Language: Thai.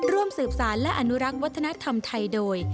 ร่วมสืบสารและอนุรักษ์วัฒนธรรมไทยโดย